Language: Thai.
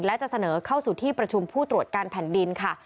และจะเสนอเข้าสู่ที่ประชุมผู้ตรวจการแผ่นดินค่ะ